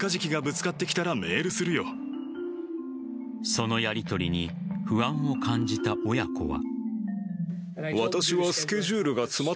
そのやりとりに不安を感じた親子は。